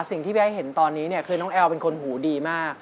สิ่งที่แวะให้เห็นตอนนี้คือน้องแอลเป็นคนหูดีมาก